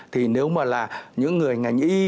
thì nếu mà là những người ngành y